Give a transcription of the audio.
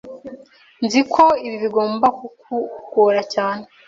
Nzi ko ibi bigomba kukugora cyane.